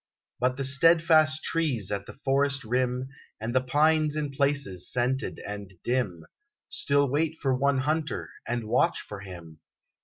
But the steadfast trees at the forest rim, And the pines in places scented and dim, Still wait for one hunter, and watch for him.